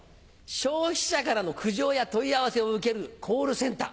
消費者からの苦情や問い合わせを受けるコールセンター。